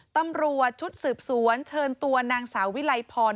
ตำรวจชุดสืบสวนเชิญตัวนางสาววิไลพร